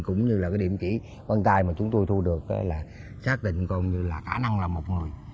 cũng như là cái điểm chỉ văn tài mà chúng tôi thu được là chắc định con người là khả năng là một người